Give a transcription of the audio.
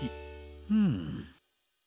うん。